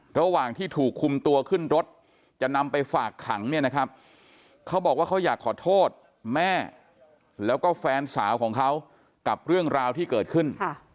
ระหว่างที่ถูกคุมตัวขึ้นรถจะนำไปฝากขังเนี่ยนะครับเขาบอกว่าเขาอยากขอโทษแม่แล้วก็แฟนสาวของเขากับเรื่องราวที่เกิดขึ้น